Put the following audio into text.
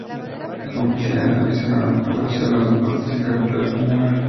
Las competiciones se realizaron en el Palacio de los Deportes de la capital española.